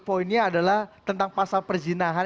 poinnya adalah tentang pasal perzinahan